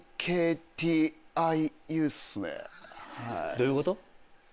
どういうこと？